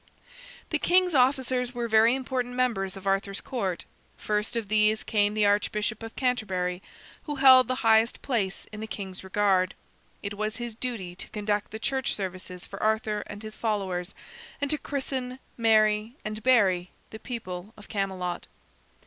The king's officers were very important members of Arthur's court. First of these came the Archbishop of Canterbury, who held the highest place in the king's regard. It was his duty to conduct the church services for Arthur and his followers, and to christen, marry, and bury the people of Camelot.